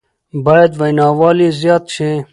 بايد ويناوال يې زياد شي